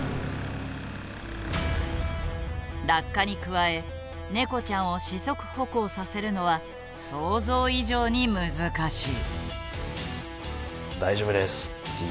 落下に加えネコちゃんを四足歩行させるのは想像以上に難しい。